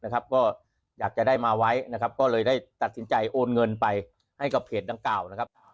ก็อยากจะได้มาไว้ก็เลยได้ตัดสินใจโอนเงินไปให้กับเพจดังกล่าว